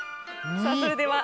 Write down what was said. ⁉さあそれでは。